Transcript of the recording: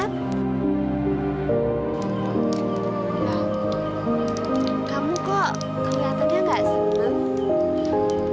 kamu kok kelihatannya gak senang